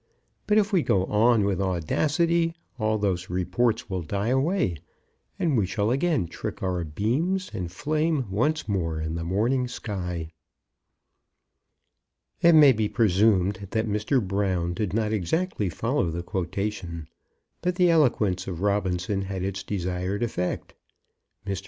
But if we go on with audacity, all those reports will die away, and we shall again trick our beams, and flame once more in the morning sky." It may be presumed that Mr. Brown did not exactly follow the quotation, but the eloquence of Robinson had its desired effect. Mr.